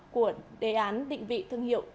của đề án định vị thương hiệu